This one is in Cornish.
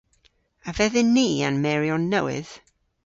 A vedhyn ni an meryon nowydh?